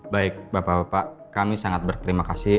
baik bapak bapak kami sangat berterima kasih